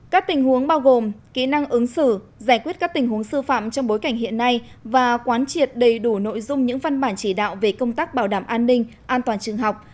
các tình huống bao gồm kỹ năng ứng xử giải quyết các tình huống sư phạm trong bối cảnh hiện nay và quán triệt đầy đủ nội dung những văn bản chỉ đạo về công tác bảo đảm an ninh an toàn trường học